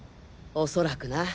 恐らくな。